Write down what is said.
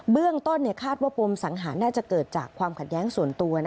เรื่องต้นคาดว่าปมสังหารน่าจะเกิดจากความขัดแย้งส่วนตัว